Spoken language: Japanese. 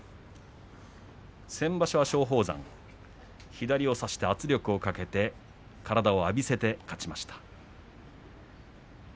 先場所は松鳳山左を差して圧力をかけて体を浴びせて勝ちました。